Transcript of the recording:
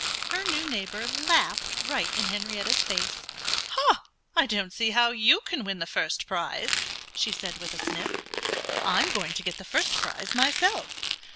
Her new neighbor laughed right in Henrietta's face. "I don't see how you can win the first prize," she said with a sniff. "I'm going to get the first prize myself.